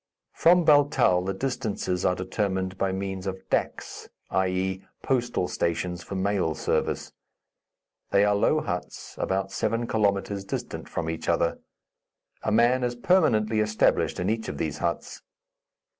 From Baltal the distances are determined by means of daks, i.e., postal stations for mail service. They are low huts, about seven kilometres distant from each other. A man is permanently established in each of these huts.